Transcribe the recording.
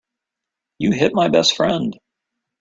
You hit my best friend.